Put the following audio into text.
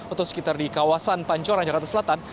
atau sekitar di kawasan pancoran jakarta selatan